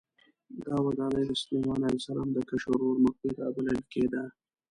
دا ودانۍ د سلیمان علیه السلام د کشر ورور مقبره بلل کېده.